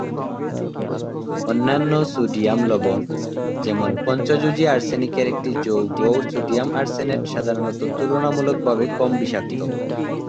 অন্যান্য সোডিয়াম লবণ, যেমন পঞ্চযোজী আর্সেনিকের একটি যৌগ সোডিয়াম আর্সেনেট সাধারণত তুলনামূলকভাবে কম বিষাক্ত।